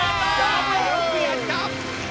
よくやった！